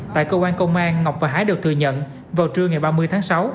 tại cơ quan công an ngọc và hái đều thừa nhận vào trưa ngày ba mươi tháng sáu